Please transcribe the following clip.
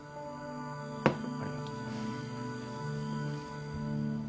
ありがとう。